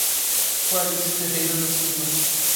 Clarice Ferreira da Silva